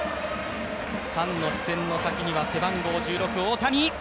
ファンの視線の先には背番号１６・大谷。